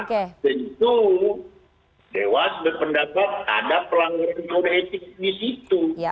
dan itu dewas berpendapat ada pelanggan yang sudah etik di situ